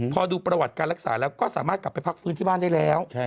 พอดูประวัติการรักษาแล้วก็สามารถกลับไปพักฟื้นที่บ้านได้แล้ว